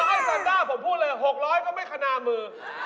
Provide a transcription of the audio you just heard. ไอ้แซนด้าผมพูดเลย๖๐๐ก็ไม่คณามือ